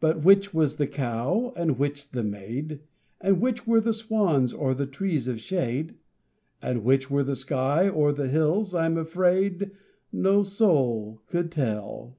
But which was the cow and which the maid, And which were the swans or the trees of shade, And which were the sky or the hills, I'm afraid, No soul could tell.